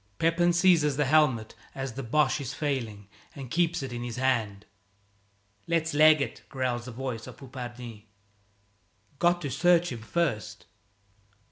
Pepin seizes the helmet as the Boche is failing and keeps it in his hand. "Let's leg it," growls the voice of Poupardin. "Got to search him first!"